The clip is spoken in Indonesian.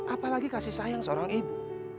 apalagi kasih sayang seorang ibu